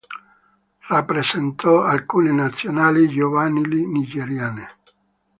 Rappresentò alcune Nazionali giovanili nigeriane.